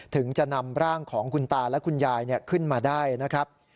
ถึงจะนำร่างของคุณตาและคุณยายขึ้นมาได้นะครับ